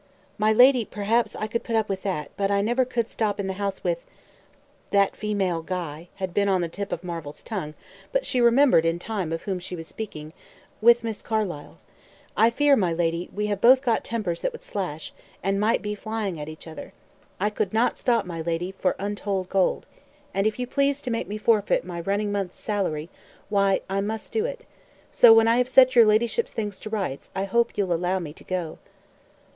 "My lady perhaps I could put up with that; but I never could stop in the house with " "that female Guy" had been on the tip of Marvel's tongue, but she remembered in time of whom she was speaking "with Miss Carlyle. I fear, my lady, we have both got tempers that would slash, and might be flying at each other. I could not stop, my lady, for untold gold. And if you please to make me forfeit my running month's salary, why I must do it. So when I have set your ladyship's things to rights, I hope you'll allow me to go."